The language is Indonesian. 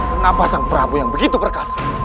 kenapa sang perabu yang begitu berkasa